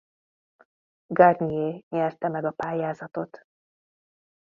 Garnier nyerte meg a pályázatot.